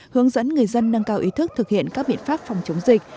hướng dẫn người dân nâng cao ý thức thực hiện các biện pháp phòng chống dịch